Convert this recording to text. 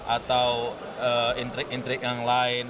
atau intrik intrik yang lain